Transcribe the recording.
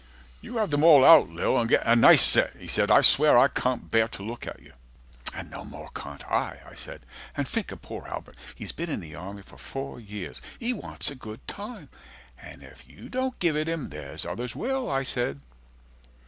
You have them all out, Lil, and get a nice set, He said, I swear, I can't bear to look at you. And no more can't I, I said, and think of poor Albert, He's been in the army four years, he wants a good time, And if you don't give it him, there's others will, I said.